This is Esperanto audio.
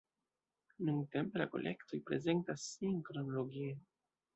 Nuntempe la kolektoj prezentas sin kronologie.